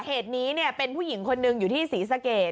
เหตุนี้เป็นผู้หญิงคนหนึ่งอยู่ที่ศรีสะเกด